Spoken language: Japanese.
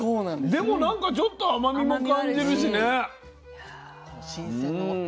でもなんかちょっと甘みも感じるしね。